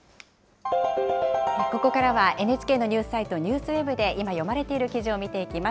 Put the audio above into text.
ここからは、ＮＨＫのニュースサイト、ＮＥＷＳＷＥＢで今読まれている記事を見ていきます。